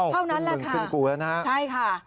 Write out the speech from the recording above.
เท่านั้นแหละค่ะ